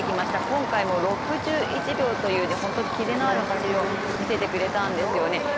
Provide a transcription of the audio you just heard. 今回も６１秒という本当にキレのある走りを見せてくれたんですよね。